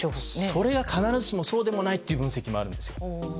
それは必ずしもそうではないという分析もあるんですよ。